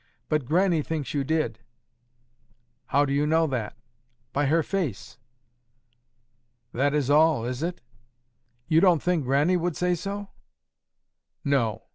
"But Grannie thinks you did." "How do you know that?" "By her face." "That is all, is it?" "You don't think Grannie would say so?" "No.